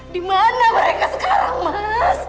dimana mereka sekarang mas